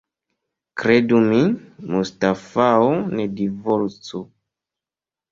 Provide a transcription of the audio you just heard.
Kredu min, Mustafao, ne divorcu.